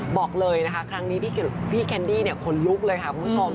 บอกเลยนะคะครั้งนี้พี่แคนดี้ขนลุกเลยค่ะคุณผู้ชม